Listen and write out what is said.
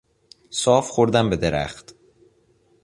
صاف خوردم به درخت.